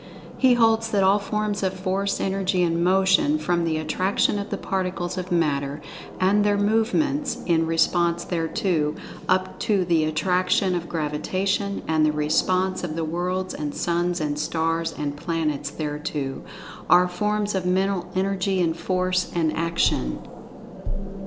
He holds that all forms of Force, Energy and Motion, from the Attraction of the Particles of Matter, and their movements in response thereto, up to the Attraction of Gravitation, and the response of the Worlds, and Suns, and Stars, and Planets, thereto—are forms of Mental Energy and Force, and Action.